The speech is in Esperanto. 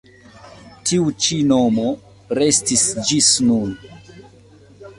Tiu ĉi nomo restis ĝis nun.